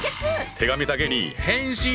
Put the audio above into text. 手紙だけに「返信」！